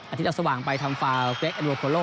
อาทิตย์เอาสว่างไปทำฟาวเก็กเอลโวโคโล